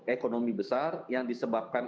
ekonomi besar yang disebabkan